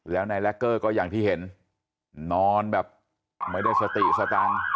แล้วนายแลคเกอร์ก็อย่างที่เห็นนอนแบบไม่ได้สติสตังค์